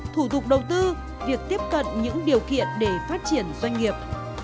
thủ tục đầu tư việc tiếp cận những điều kiện để phát triển doanh nghiệp